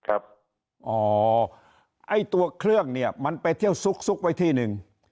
ไอ้ตัวเครื่องเนี่ยมันไปเที่ยวซุกไว้ที่หนึ่ง